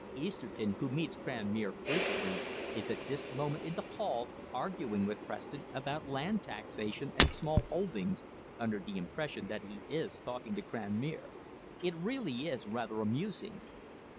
Easterton, who meets Cranmere frequently, is at this moment in the hall arguing with Preston about land taxation and small holdings, under the impression that he is talking to Cranmere. It really is rather amusing."